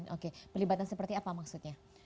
oke pelibatan seperti apa maksudnya